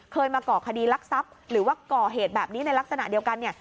มาก่อคดีรักทรัพย์หรือว่าก่อเหตุแบบนี้ในลักษณะเดียวกันเนี่ย